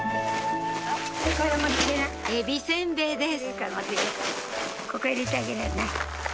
えびせんべいです